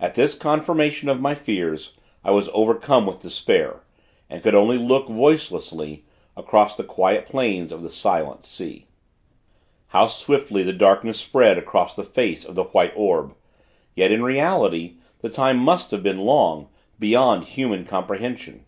At this confirmation of my fears, I was overcome with despair; and could only look, voicelessly, across the quiet plains of the silent sea. How swiftly the darkness spread across the face of the White Orb. Yet, in reality, the time must have been long, beyond human comprehension.